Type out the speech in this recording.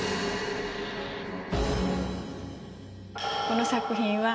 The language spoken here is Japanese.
この作品は。